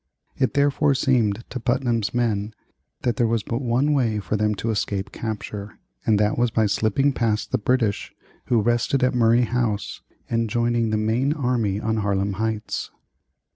It therefore seemed to Putnam's men that there was but one way for them to escape capture, and that was by slipping past the British who rested at Murray house and joining the main army on Harlem Heights.